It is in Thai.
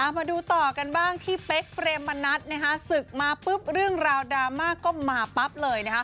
มาดูต่อกันบ้างที่เป๊กเปรมมณัฐศึกมาปุ๊บเรื่องราวดราม่าก็มาปั๊บเลย